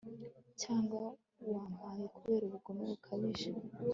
Cyangwa wampaye kubera ubugome bukabije